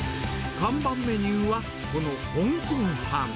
看板メニューは、このホンコン飯。